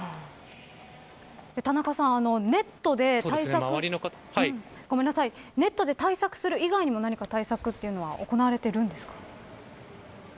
田中さん、ネットで対策する以外には何か対策というのは行われているんですか。